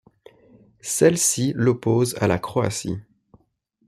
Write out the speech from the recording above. Celle-ci l'oppose à la Croatie.